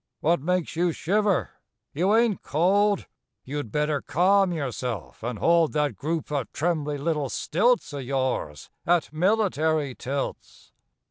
What makes you shiver? You ain't cold! You'd better calm yourself and hold That group of trembly little stilts Of yours at military tilts!